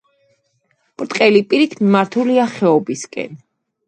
ბრტყელი პირით მიმართულია ხეობისაკენ.